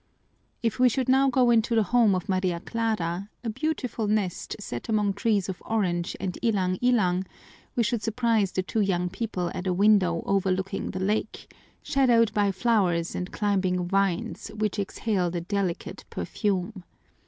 If we should now go into the home of Maria Clara, a beautiful nest set among trees of orange and ilang ilang, we should surprise the two young people at a window overlooking the lake, shadowed by flowers and climbing vines which exhaled a delicate perfume.